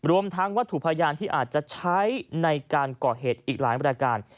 รวมทั้งวัตถุพยานที่อาจจะใช้ในการก่อเหตุอีกหลายรายการ